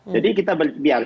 jadi kita biarkan